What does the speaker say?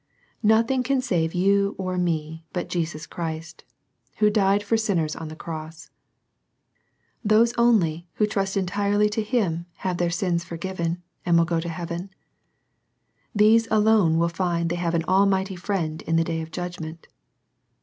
Nothing can save you or me but Jesus Christ, who died for sinners on the cross. Those only who trust entirely to Him have their sins forgiven, and will go to heaven. These alone will find they have an Almighty Friend in the day of judgment.